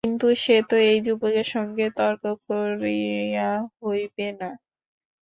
কিন্তু সে তো এই যুবকের সঙ্গে তর্ক করিয়া হইবে না।